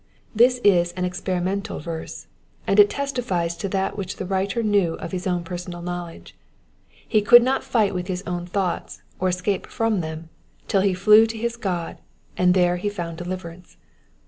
This is an experimental verse, and it testifies to that which the writer knew «t his own personal knowledge : he could not fight with his own thoughts, or escape from them, till he fiew to his God, and then he found deliverance.